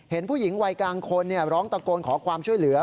เห็นผู้หญิงวัยกลางคนร้องตะโกนขอความช่วยเหลือ